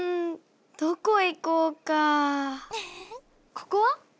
ここは？